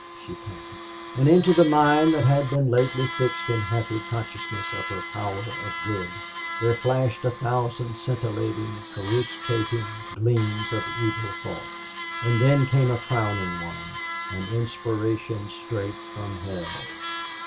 she panted. And into the mind that had been lately fixed in happy consciousness of her power of good there flashed a thousand scintillating, corruscating gleams of evil thought. And then came a crowning one, an inspiration straight from hell.